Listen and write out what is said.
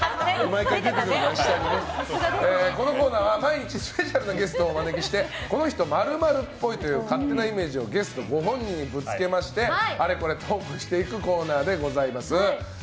このコーナーは毎日スペシャルなゲストをお招きしてこの人○○っぽいという勝手なイメージをゲストご本人にぶつけましてあれこれトークしていくコーナーでございます。